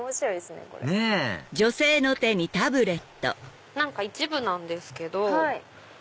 ねぇ一部なんですけど。